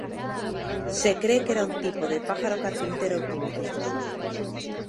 Se cree que era un tipo de pájaro carpintero primitivo.